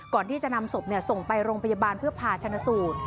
ก่อนที่จะนำศพส่งไปโรงพยาบาลเพื่อผ่าชนะสูตร